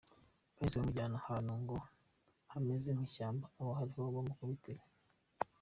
Bahise bamujyana ahantu ngo hameze nk’ishyamba aba ariho bamukubitira.